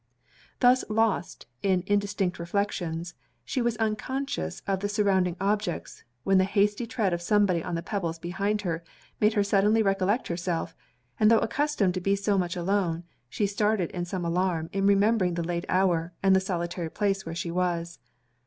Thus lost in indistinct reflections, she was unconscious of the surrounding objects, when the hasty tread of somebody on the pebbles behind her, made her suddenly recollect herself; and though accustomed to be so much alone, she started in some alarm in remembering the late hour, and the solitary place where she was.